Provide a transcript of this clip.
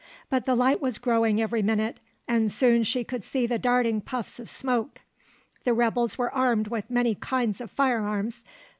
But the light was growing every minute, and soon she could see the darting puffs of smoke. The rebels were armed with many kinds of firearms.